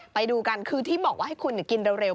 ไปดูกันคือที่บอกว่าให้คุณกินเร็ว